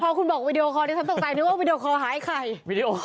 พอคุณบอกวิดีโอคอนี้ฉันตกใจนึกว่าวิดีโอคอหาไอ้ไข่